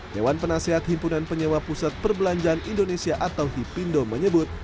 dewan penasehat himpunan penyewa pusat perbelanjaan indonesia atau hipindo menyebut